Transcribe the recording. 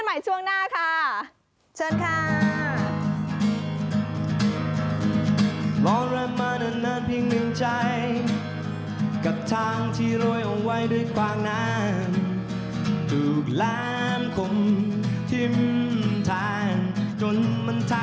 เดี๋ยวมาพบกันใหม่ช่วงหน้าค่ะ